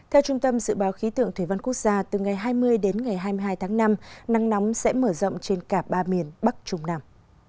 theo trung tâm dự báo khí tượng thủy văn quốc gia từ ngày hai mươi đến ngày hai mươi hai tháng năm nắng nóng sẽ mở rộng trên cả ba miền bắc trung nam